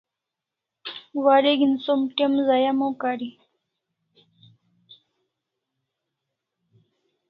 Wareg'in som te'm zaya mo kari